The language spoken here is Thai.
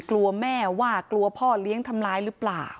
กลัวแม่ว่ากลัวพ่อเลี้ยงทำร้ายหรือเปล่า